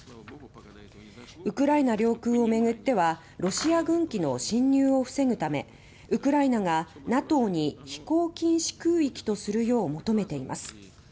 ウクライナ領空を巡ってはロシア軍機の侵入を防ぐためウクライナがＮＡＴＯに飛行禁止空域とするよう求めています。